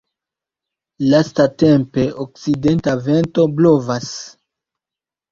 Lastatempe okcidenta vento blovas.